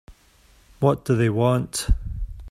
What do they want?